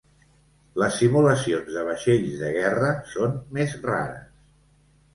Les simulacions de vaixells de guerra són més rares.